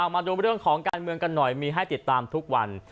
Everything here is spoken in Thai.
มาดูเรื่องของการเมืองกันหน่อยมีให้ติดตามทุกวัน